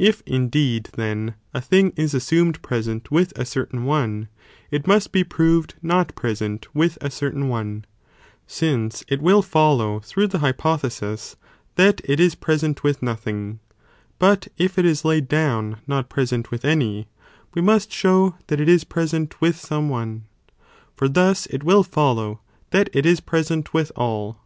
If indeed then a thing is assumed present with a certain one, it must be proved not present with a certain one, since it will follow through the hypothesis that it is present with nothing, but if it is laid down not present with any, we must show that it is pre sent with some one, for thus it will follow that it is present with all.